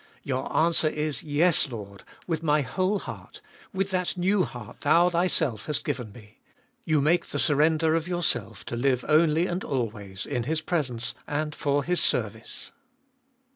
Your answer is, Yes, Lord ; with my whole heart — with that new heart thou thyself hast given me. You make the surrender of yourself, to live only and always in His presence and for His service.